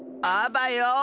あばよ！